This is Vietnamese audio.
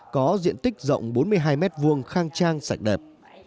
có diện tích rộng bốn mươi hai mét vuông khang trang sạch đẹp